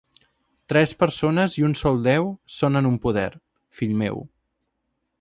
Tres persones i un sol Déu són en un poder, fill meu.